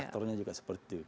traktornya juga seperti itu